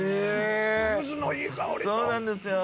ゆずのいい香り。